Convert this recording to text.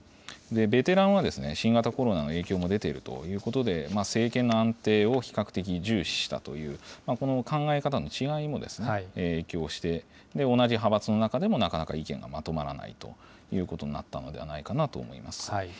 ベテランは、新型コロナの影響も出ているということで、政権の安定を比較的重視したという、この考え方の違いも影響して、同じ派閥の中でも、なかなか意見がまとまらないということになったのではないかなと思います。